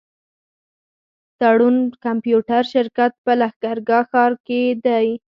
تړون کمپيوټر شرکت په لښکرګاه ښار کي دی.